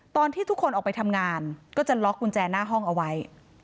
ตอนที่ทุกคนออกไปทำงานก็จะล็อกกุญแจหน้าห้องเอาไว้